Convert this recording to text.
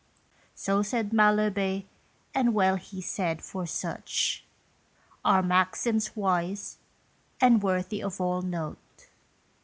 So said Malherbe, and well he said, for such Are maxims wise, and worthy of all note.